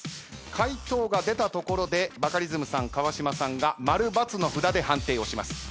回答が出たところでバカリズムさん川島さんがマル・バツの札で判定をします。